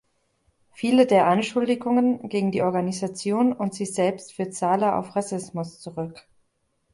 Viele der Anschuldigungen gegen die Organisation und sie selbst führt Sala auf Rassismus zurück.